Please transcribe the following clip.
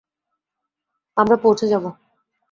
আমরা পৌঁছে যাবো।